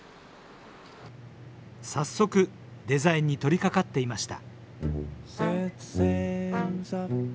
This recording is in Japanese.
早速デザインに取りかかっていました。